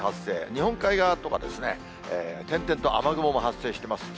日本海側とか、点々と雨雲も発生してます。